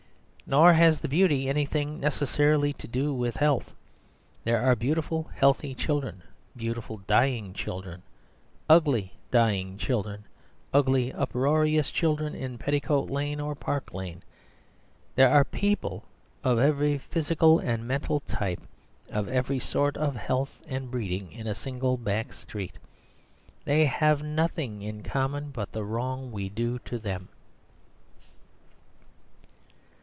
Nor has the beauty anything necessarily to do with health; there are beautiful healthy children, beautiful dying children, ugly dying children, ugly uproarious children in Petticoat Lane or Park Lane. There are people of every physical and mental type, of every sort of health and breeding, in a single back street. They have nothing in common but the wrong we do them.